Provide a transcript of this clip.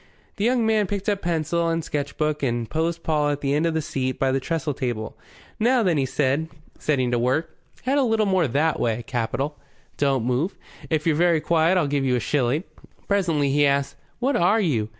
The young man picked up pencil and sketch book and posed Paul at the end of the seat by the trestle table. "Now, then," said he, setting to work. "Head a little more that way. Capital. Don't move. If you're very quiet I'll give you a shilling." Presently he asked, "What are you?